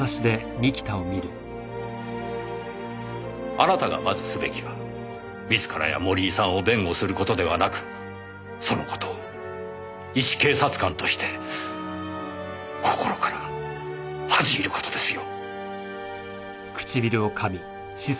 あなたがまずすべきは自らや森井さんを弁護する事ではなくその事をいち警察官として心から恥じ入る事ですよ。